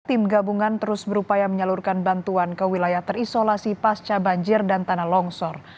tim gabungan terus berupaya menyalurkan bantuan ke wilayah terisolasi pasca banjir dan tanah longsor